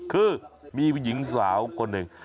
คือมีหญิงสาวคนหนึ่ง